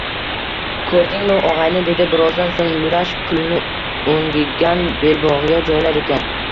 Koʻrdingmi, ogʻayni, – dedi birozdan soʻng Yurash pulni oʻngigan belbogʻiga joylar ekan.